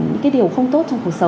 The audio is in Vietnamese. những cái điều không tốt